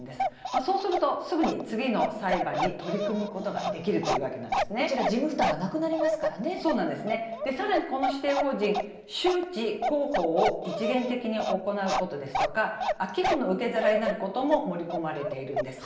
そうするとすぐに次の裁判に取り組むことが事務負担がさらにこの指定法人周知広報を一元的に行うことや寄付の受け皿になることも盛り込まれているんです。